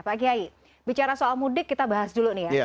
pak kiai bicara soal mudik kita bahas dulu nih ya